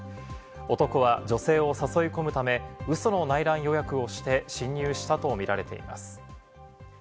男は女性を誘い込むため、ウソの内覧予約をして侵入したとみられています。